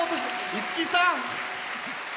五木さん。